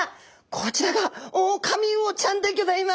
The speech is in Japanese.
こちらがオオカミウオちゃんでギョざいます。